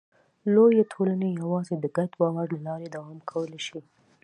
لویې ټولنې یواځې د ګډ باور له لارې دوام کولی شي.